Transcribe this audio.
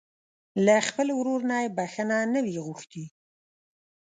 له خپل ورور نه يې بښته نه وي غوښتې.